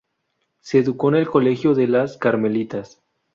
Se educó en el Colegio de las Carmelitas.